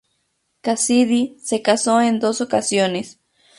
Cassidy se casó en dos ocasiones.